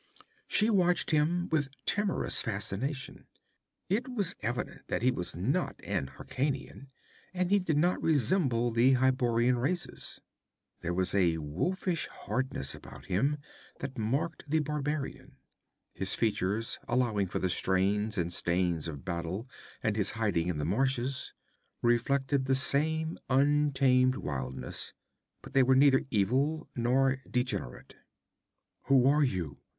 She watched him with timorous fascination. It was evident that he was not an Hyrkanian, and he did not resemble the Hyborian races. There was a wolfish hardness about him that marked the barbarian. His features, allowing for the strains and stains of battle and his hiding in the marshes, reflected that same untamed wildness, but they were neither evil nor degenerate. 'Who are you?'